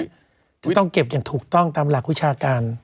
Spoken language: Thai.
จะต้องเก็บอย่างถูกต้องตามหลักวิชาการ